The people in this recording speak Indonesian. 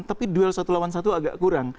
tapi duel satu lawan satu agak kurang